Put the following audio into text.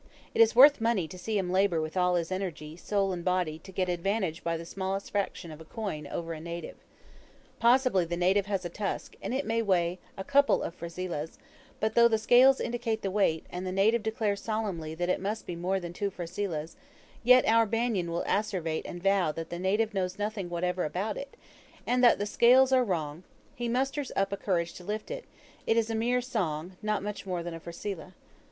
It is worth money to see him labor with all his energy, soul and body, to get advantage by the smallest fraction of a coin over a native. Possibly the native has a tusk, and it may weigh a couple of frasilahs, but, though the scales indicate the weight, and the native declares solemnly that it must be more than two frasilahs, yet our Banyan will asseverate and vow that the native knows nothing whatever about it, and that the scales are wrong; he musters up courage to lift it it is a mere song, not much more than a frasilah.